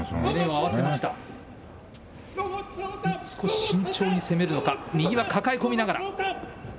少し慎重に攻めるのか、右は抱え込みながら。